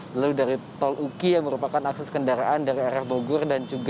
lalu dari tol uki yang merupakan akses kendaraan dari rr bogor